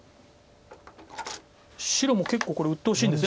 白も結構これうっとうしいんです。